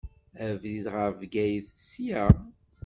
Abrid ɣer Bgayet, sya.